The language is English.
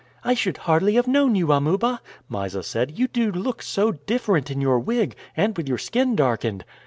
"I should hardly have known you, Amuba," Mysa said. "You do look so different in your wig, and with your skin darkened."